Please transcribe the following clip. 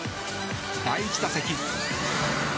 第１打席。